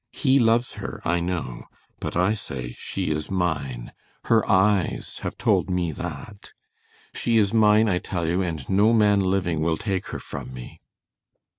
He loves her, I know, but I say she is mine! Her eyes have told me that. She is mine, I tell you, and no man living will take her from me."